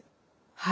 はい。